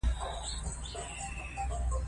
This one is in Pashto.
خندا روح پیاوړی کوي او روغتیا ته ګټه رسوي.